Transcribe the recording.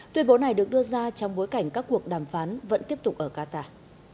tuyên bố này được đưa ra trong bối cảnh các cuộc đàm phán vẫn tiếp tục ở qatar